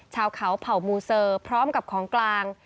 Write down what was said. ชาวเขาเผ่ามูเซอร์พร้อมกับของกลาง